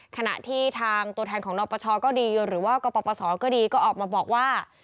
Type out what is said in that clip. ขณะที่ทางตัวแทนของนปชก็ดีหรือว่ากปศก็ดีก็ออกมาบอกว่า